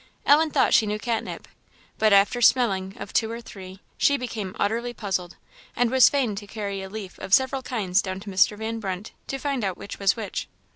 Ellen thought she knew catnip, but after smelling of two or three, she became utterly puzzled, and was fain to carry a leaf of several kinds down to Mr. Van Brunt to find out which was which.